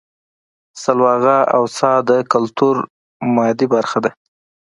سلواغه او څا د کولتور مادي برخه ده